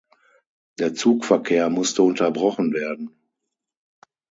Der Zugverkehr musste unterbrochen werden.